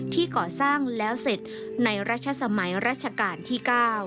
ก่อสร้างแล้วเสร็จในรัชสมัยรัชกาลที่๙